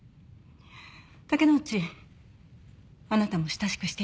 竹之内あなたも親しくしていたわね。